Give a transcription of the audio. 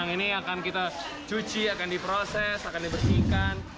ini akan kita cuci akan diproses akan dibersihkan